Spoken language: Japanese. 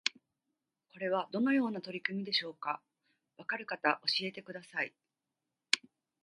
これはどのような取り組みでしょうか？わかる方教えてください